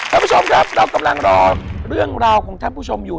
ท่านผู้ชมครับเรากำลังรอเรื่องราวของท่านผู้ชมอยู่